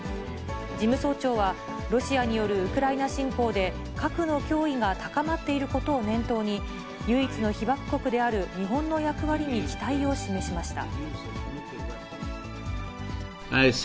事務総長は、ロシアによるウクライナ侵攻で、核の脅威が高まっていることを念頭に、唯一の被爆国である日本の役割に期待を示しました。